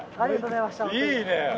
いいね。